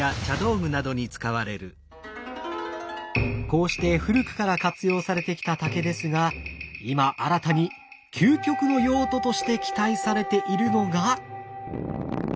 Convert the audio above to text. こうして古くから活用されてきた竹ですが今新たに究極の用途として期待されているのが。